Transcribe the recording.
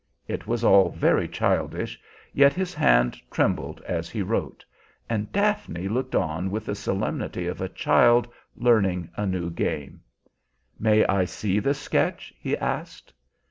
It was all very childish, yet his hand trembled as he wrote; and Daphne looked on with the solemnity of a child learning a new game. "May I see the sketch?" he asked.